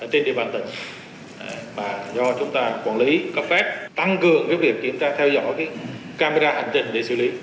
trên địa bàn tỉnh và do chúng ta quản lý cấp phép tăng cường việc kiểm tra theo dõi camera ảnh trình để xử lý